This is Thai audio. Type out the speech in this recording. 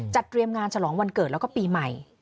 เตรียมงานฉลองวันเกิดแล้วก็ปีใหม่